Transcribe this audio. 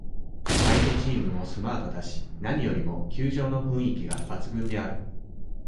相手チームもスマートだし、何よりも、球場の雰囲気が抜群である。